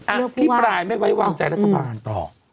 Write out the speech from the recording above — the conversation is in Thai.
อภิปรายไม่ไว้วางใจรัฐบาลต่อ